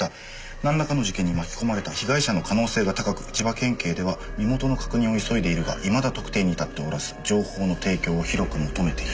「なんらかの事件に巻き込まれた被害者の可能性が高く千葉県警では身元の確認を急いでいるがいまだ特定に至っておらず情報の提供を広く求めている」